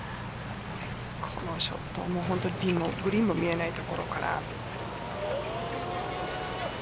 このショットは本当にピンもグリーンも見えない所から。